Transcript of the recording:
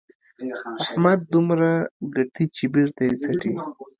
احمد دومره ګټي چې بېرته یې څټي.